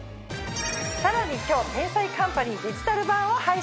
さらに今日『天才‼カンパニー』デジタル版を配信。